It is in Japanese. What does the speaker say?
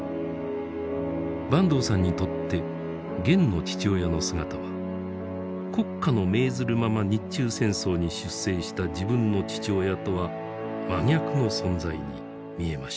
坂東さんにとってゲンの父親の姿は国家の命ずるまま日中戦争に出征した自分の父親とは真逆の存在に見えました。